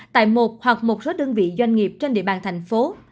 tại một hoặc một số đơn vị doanh nghiệp trên địa bàn thành phố